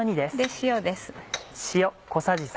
塩です。